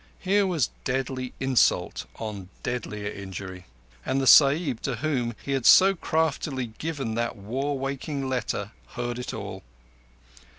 Here was deadly insult on deadlier injury—and the Sahib to whom he had so craftily given that war waking letter heard it all.